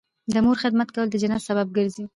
د مور خدمت کول د جنت سبب ګرځي